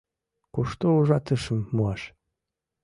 Кушто ужатышым муаш?